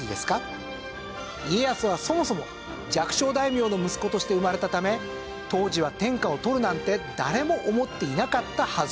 家康はそもそも弱小大名の息子として生まれたため当時は天下を取るなんて誰も思っていなかったはず。